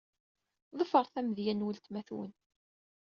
Ḍefṛet amedya n weltma-twen.